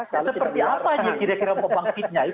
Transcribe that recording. seperti apa aja kira kira mau bangkitnya